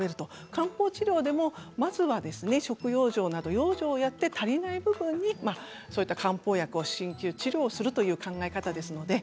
漢方治療でもまずは食養生などの養生をやって足りない部分に漢方薬やしんきゅう治療をするという考え方です。